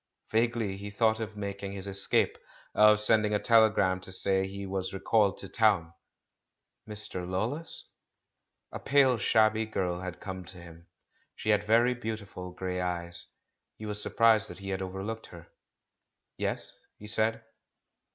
Vaguely he thought of making his escape, of sending a telegram to say he was recalled to town. "Mr. Lawless?" A pale, shabby girl had come to him. She had very beautiful grey eyes; he was surprised that he had overlooked her. "Yes?" he said.